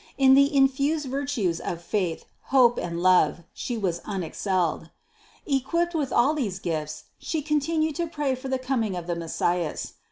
In the infused virtues of faith, hope and love she was unexcelled. Equipped with all these gifts, she continued to pray for the coming of the Messias.